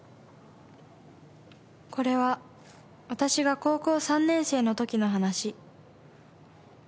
［これは私が高校３年生のときの話］